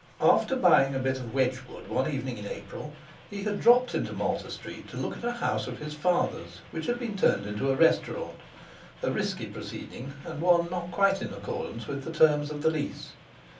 After buying a bit of Wedgwood one evening in April, he had dropped into Malta Street to look at a house of his father's which had been turned into a restaurant—a risky proceeding, and one not quite in accordance with the terms of the lease.